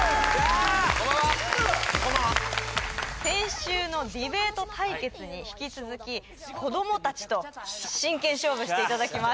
こんばんは先週のディベート対決に引き続き子供達と真剣勝負していただきます